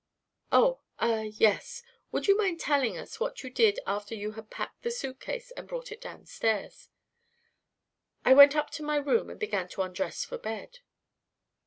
"Oh ah yes. Would you mind telling us what you did after you had packed the suitcase and brought it downstairs?" "I went up to my room and began to undress for bed."